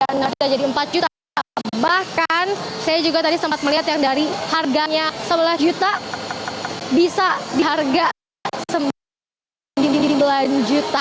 bahkan saya juga tadi sempat melihat yang dari harganya sebelas juta bisa dihargai sembilan juta